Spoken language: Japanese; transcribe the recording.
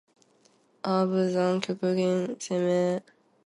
ああ無惨～極限責め～